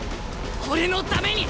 俺のために！